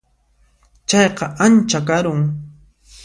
Chayqa ancha karun.